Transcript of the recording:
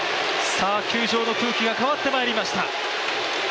球場の雰囲気が変わってまいりました。